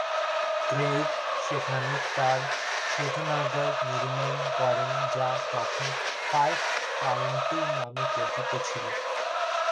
Craig সেখানে তার শোধনাগার নির্মাণ করেন যা তখন ফায়েট কাউন্টি নামে পরিচিত ছিল।